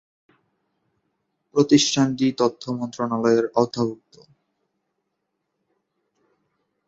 প্রতিষ্ঠানটি তথ্য মন্ত্রণালয়ের আওতাভুক্ত।